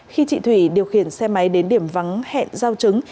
khi chị thủy điều khiển xe máy đến điểm vắng hẹn giao trứng